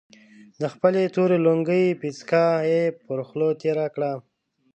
د خپلې تورې لونګۍ پيڅکه يې پر خوله تېره کړه.